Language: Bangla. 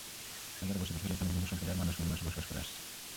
হাজার বছর ধরে এখানে বিভিন্ন সম্প্রদায়ের মানুষ মিলেমিশে বসবাস করে আসছে।